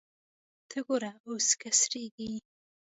ته ګوره اوس کسږي